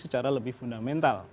secara lebih fundamental